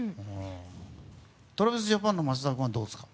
ＴｒａｖｉｓＪａｐａｎの松田君はどうですか？